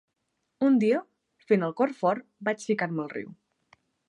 Un dia, fent el cor fort, vaig ficar-me al riu